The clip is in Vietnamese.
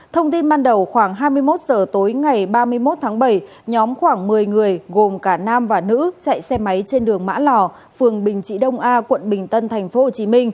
thông tin ban đầu khoảng hai mươi một h tối ngày ba mươi một tháng bảy nhóm khoảng một mươi người gồm cả nam và nữ chạy xe máy trên đường mã lò phường bình trị đông a quận bình tân tp hcm